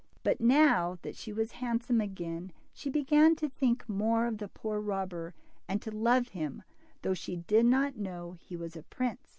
But now that she was handsome again, she began to think more of the poor robber, and to love him, though she did not know he was a prince.